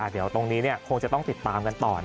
เดี๋ยวตรงนี้คงจะต้องติดตามกันต่อ